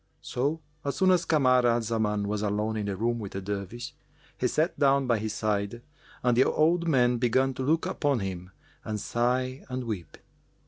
So, as soon as Kamar al Zaman was alone in the room with the Dervish, he sat down by his side and the old man began to look upon him and sigh and weep.